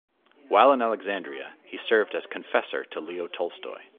While in Alexandria, he served as confessor to Leo Tolstoy.